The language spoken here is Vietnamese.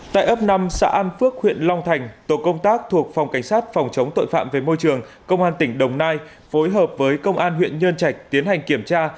tại ấp năm xã an phước huyện long thành tổ công tác thuộc phòng cảnh sát phòng chống tội phạm về môi trường công an tỉnh đồng nai phối hợp với công an huyện nhân trạch tiến hành kiểm tra